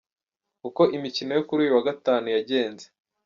Uko imikino yo kuri uyu wa Gatatu yagenze.